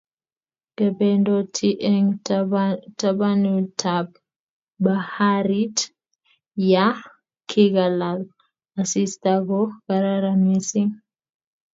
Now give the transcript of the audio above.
Kebendoti eng' tabanutab baharit ya kilal asista ko kararan mising'